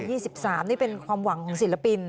ในปันที่๑๓นี่เป็นความหวังของศิลปิน